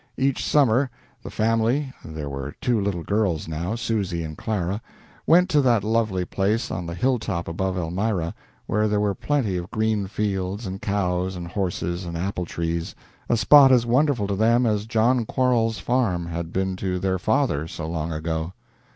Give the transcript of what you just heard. Each summer the family there were two little girls now, Susy and Clara went to that lovely place on the hilltop above Elmira, where there were plenty of green fields and cows and horses and apple trees, a spot as wonderful to them as John Quarles's farm had been to their father, so long ago.